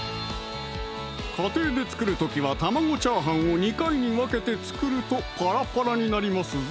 家庭で作る時は卵炒飯を２回に分けて作るとパラパラになりますぞ